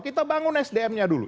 kita bangun sdm nya dulu